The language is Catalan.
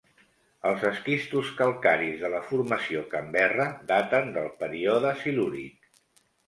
Els esquistos calcaris de la formació Canberra daten del període Silúric.